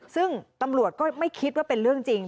ซึ่งตำรวจก็ไม่คิดว่าเป็นเรื่องจริง